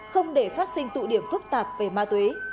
không để phát sinh tụ điểm phức tạp về ma túy